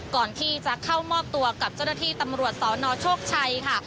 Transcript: ก่อนที่จะเข้ามอบตัวกับเจ้าหน้าที่ตำรวจสนโชคชัยค่ะ